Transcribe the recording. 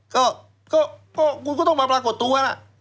ก็คุณก็ต้องมาปรากฏตัวล่ะ